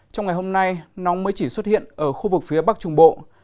trong ngày hôm nay nóng mới chỉ xuất hiện ở khu vực phía bắc trung bộ